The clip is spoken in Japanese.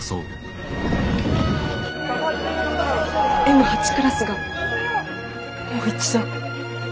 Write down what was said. Ｍ８クラスがもう一度。